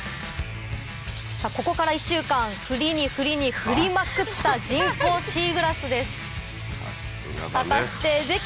ここから１週間振りに振りに振りまくった人工シーグラスです